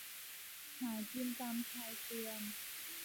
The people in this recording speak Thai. หากินตามชายเฟือย